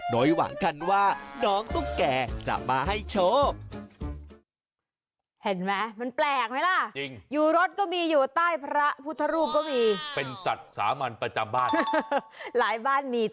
โดยหวังกันว่าน้องตุ๊กแก่จะมาให้โชค